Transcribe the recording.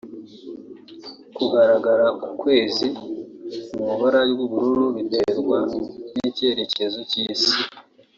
Kugaragara ku ukwezi mu ibara ry’ubururu biterwa n’icyerekezo cy’Isi